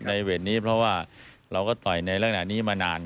ในเวทนี้เพราะว่าเราก็ต่อยในเรื่องหน้านี้มานาน